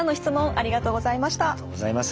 ありがとうございます。